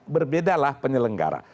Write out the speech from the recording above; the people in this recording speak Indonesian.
berbeda lah penyelenggara